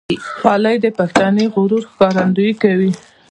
خولۍ د پښتني غرور ښکارندویي کوي.